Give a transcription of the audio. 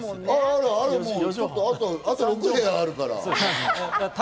あと６部屋あるから。